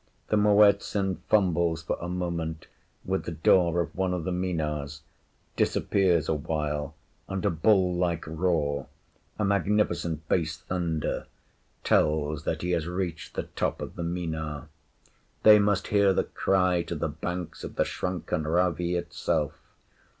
The Muezzin fumbles for a moment with the door of one of the Minars, disappears awhile, and a bull like roar a magnificent bass thunder tells that he has reached the top of the Minar. They must hear the cry to the banks of the shrunken Ravee itself!